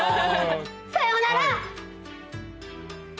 さよなら！